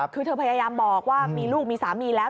คือเธอพยายามบอกว่ามีลูกมีสามีแล้ว